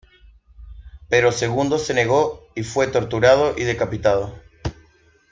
Pero Segundo se negó, y fue torturado y decapitado.